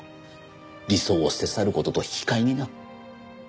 理想を捨て去る事と引き換えにな。